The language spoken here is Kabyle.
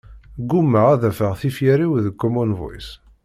Gummaɣ ad afeɣ tifyar-iw deg common voice.